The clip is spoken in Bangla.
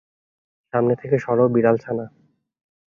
সামনে থেকে সরো, বিড়ালছানা।